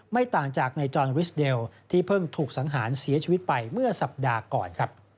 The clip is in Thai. ไม่ต่างจากนายจอนริสเดลที่เพิ่งถูกสังหารเสียชีวิตไปเมื่อสัปดาห์ก่อน